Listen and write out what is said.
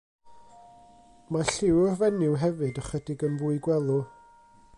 Mae lliw'r fenyw hefyd ychydig yn fwy gwelw.